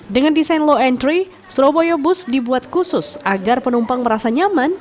dengan desain law entry surabaya bus dibuat khusus agar penumpang merasa nyaman